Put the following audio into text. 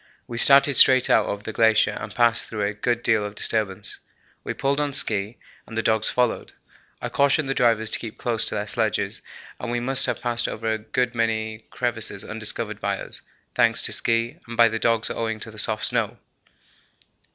We started straight out over the glacier and passed through a good deal of disturbance. We pulled on ski and the dogs followed. I cautioned the drivers to keep close to their sledges and we must have passed over a good many crevasses undiscovered by us, thanks to ski, and by the dogs owing to the soft snow.